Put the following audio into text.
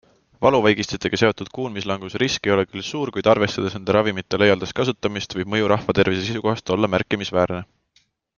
Valuvaigistitega seotud kuulmislanguse risk ei ole küll suur, kuid arvestades nende ravimite laialdast kasutamist, võib mõju rahvatervise seisukohast olla märkimisväärne.